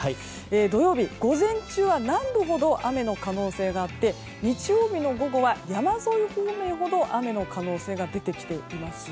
土曜日、午前中は南部ほど雨の可能性があって日曜日の午後は山沿い方面ほど雨の可能性が出てきています。